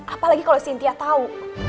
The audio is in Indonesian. apalagi kalau sintia tahu